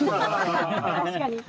確かに。